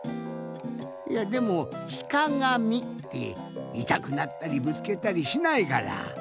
いやでも「ひかがみ」っていたくなったりぶつけたりしないから。